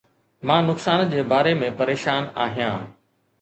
مان نقصان جي باري ۾ پريشان آهيان